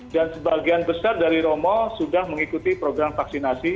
dan sebagian besar dari romo sudah mengikuti program vaksinasi